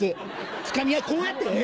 つかみ合いこうやってえ？